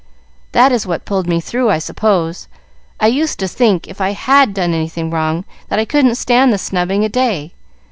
"That is what pulled me through, I suppose. I used to think if I had done anything wrong, that I couldn't stand the snubbing a day.